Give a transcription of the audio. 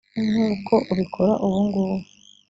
nk’uko ubikora ubu ngubu.